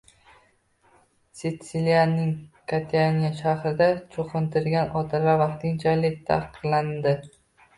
Sitsiliyaning Kataniya shahrida cho‘qintirgan otalar vaqtinchalik taqiqlandi